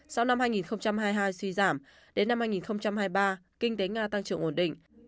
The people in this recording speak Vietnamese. sau năm hai nghìn hai mươi hai suy giảm đến năm hai nghìn hai mươi ba kinh tế nga tăng trưởng ổn định